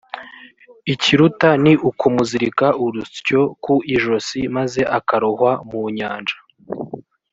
ikiruta ni ukumuzirika urutsyo ku ijosi maze akarohwa mu nyanja .